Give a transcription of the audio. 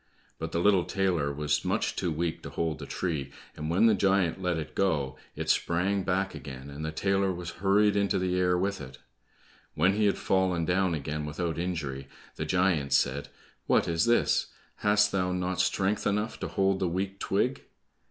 But the little tailor was much too weak to hold the tree, and when the giant let it go, it sprang back again, and the tailor was hurried into the air with it. When he had fallen down again without injury, the giant said, "What is this? Hast thou not strength enough to hold the weak twig?"